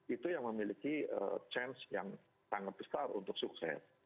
itu yang memiliki chance yang sangat besar untuk sukses